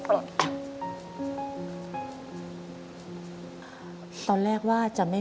ทำงานชื่อนางหยาดฝนภูมิสุขอายุ๕๔ปี